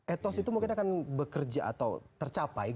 etos itu mungkin akan bekerja atau tercapai